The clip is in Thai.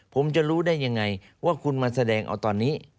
ผมจะรู้ได้ยังไงว่าคุณมาแสดงเอาตอนนี้